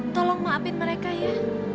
tolong maafin mereka ya